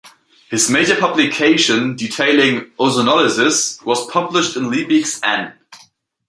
His major publication detailing ozonolysis was published in Liebigs Ann.